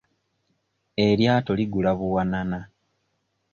Eryato ligula buwanana.